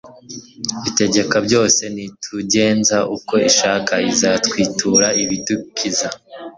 itegeka byose, nitugenza uko ishaka izatwitura ibidukiza